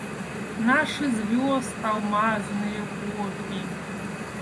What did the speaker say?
Наши звезд алмазные копи.